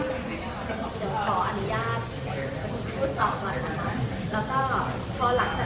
เดี๋ยวขออนุญาตพูดต่อก่อนนะคะ